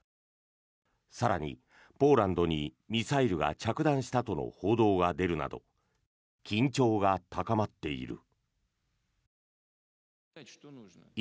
更に、ポーランドにミサイルが着弾したとの報道が出るなど緊張が高まっている。